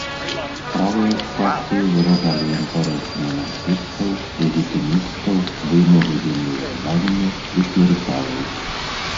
Правыя ж партыі выражалі інтарэсы манархістаў, легітымістаў, буйнога землеўладання і клерыкалаў.